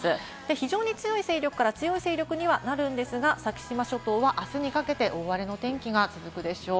非常に強い勢力から強い勢力にはなるんですが、先島諸島はあすにかけて大荒れの天気が続くでしょう。